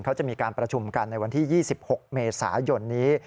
เขาจะมีการประชุมกันในวันที่๒๖เมษายนนี้